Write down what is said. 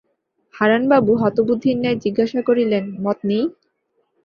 হারানবাবু হতবুদ্ধির ন্যায় জিজ্ঞাসা করিলেন, মত নেই?